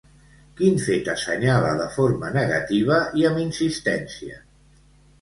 Quin fet assenyala de forma negativa i amb insistència?